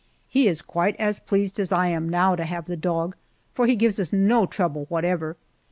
He is quite as pleased as I am, now, to have the dog, for he gives no trouble whatever.